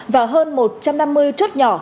và hơn một trăm năm mươi chốt nhỏ